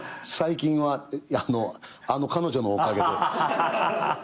最近はあの彼女のおかげで。